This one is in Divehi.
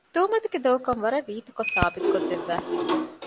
ތުހުމަތުގެ ދޮގުކަން ވަރަށް ރީތިކޮށް ސާބިތުކޮށް ދެއްވައިފަ